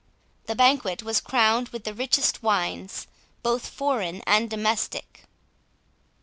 The banquet was crowned with the richest wines, both foreign and domestic.